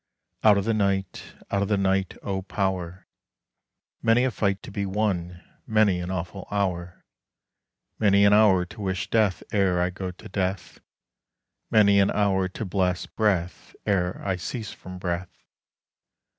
Out of the Night! out of the Night, O Power: Many a fight to be won, many an awful hour; Many an hour to wish death ere I go to death, Many an hour to bless breath ere I cease from breath.